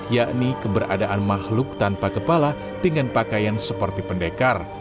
yakni keberadaan makhluk tanpa kepala dengan pakaian seperti pendekar